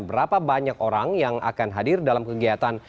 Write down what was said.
berapa banyak orang yang akan hadir dalam kegiatan